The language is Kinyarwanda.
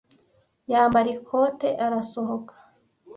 Yambara ikote arasohoka.